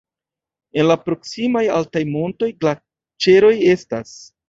En la proksimaj altaj montoj glaĉeroj estas.